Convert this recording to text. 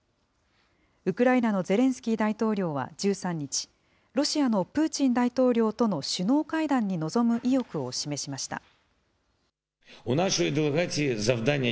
ウクライナのゼレンスキー大統領は１３日、ロシアのプーチン大統領との首脳会談に臨む意欲を示しました。